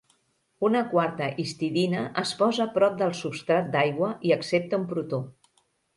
Una quarta histidina es posa prop del substrat d'aigua i accepta un protó.